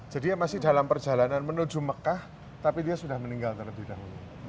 jadi dia masih dalam perjalanan menuju mekah tapi dia sudah meninggal terlebih dahulu